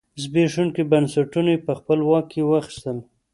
زبېښونکي بنسټونه یې په خپل واک کې واخیستل.